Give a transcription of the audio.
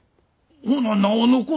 ほななおのこと